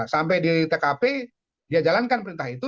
sampai di tkp dia jalankan perintah itu